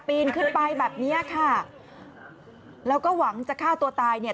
นขึ้นไปแบบเนี้ยค่ะแล้วก็หวังจะฆ่าตัวตายเนี่ย